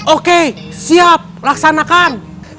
oke siap laksanakan